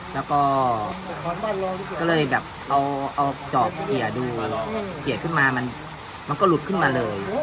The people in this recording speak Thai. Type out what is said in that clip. แล้วก็ก็เลยแบบเอาจอบเอี่ยดูเอียดขึ้นมามันก็หลุดขึ้นมาเลย